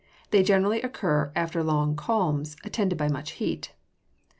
They generally occur after long calms, attended by much heat.